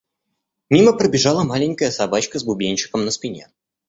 Мимо пробежала маленькая собачка с бубенчиком на спине.